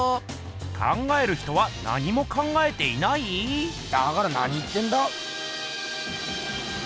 「考える人」は何も考えていない⁉だから何言ってんだ？